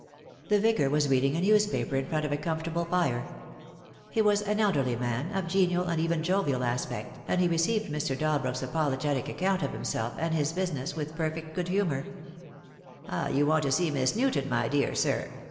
The Vicar was reading a newspaper in front of a comfortable fire. He was an elderly man, of genial and even jovial aspect, and he received Mr. Dalbrook's apolo getic account of himself and his business with perfect good humour. THE DAY WILL COME. 247 "You want to see Miss Newton, my dear sir.